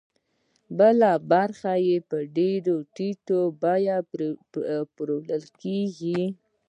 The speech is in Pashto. بله برخه یې په ډېره ټیټه بیه پلورل کېږي